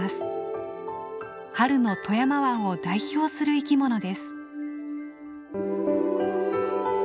春の富山湾を代表する生きものです。